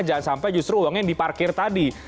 jangan sampai justru uangnya yang diparkir tadi